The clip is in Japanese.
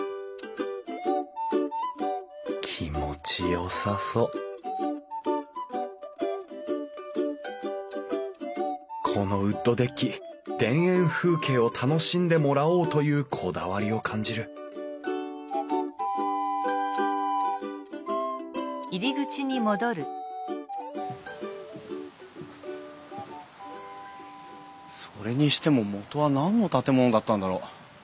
気持ちよさそうこのウッドデッキ田園風景を楽しんでもらおうというこだわりを感じるそれにしてももとは何の建物だったんだろう。